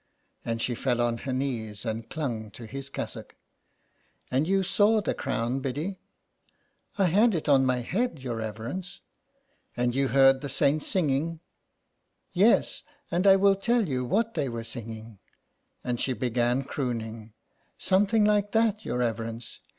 And she fell on her knees and clung to his cassock. " And you saw the crown, Biddy? "" I had it on my head, your reverence." " And you heard the saints singing." '^ Yes, and I will tell you what they were singing," and she began crooning. " Something like that your reverence.